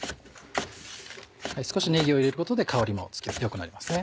少しねぎを入れることで香りもよくなりますね。